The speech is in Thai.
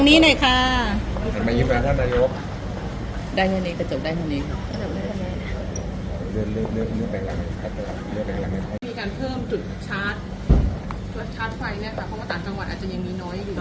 มีการเพิ่มจุดชาร์จจุดชาร์จไฟเนี่ยค่ะเพราะว่าต่างจังหวัดอาจจะยังมีน้อยหรือ